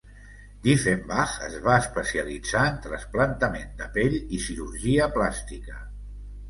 Dieffenbach es va especialitzar en trasplantament de pell i cirurgia plàstica.